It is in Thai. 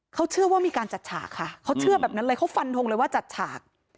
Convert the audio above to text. เขาเชื่อว่ามีการจัดฉากค่ะเขาเชื่อแบบนั้นเลยเขาฟันทงเลยว่าจัดฉาก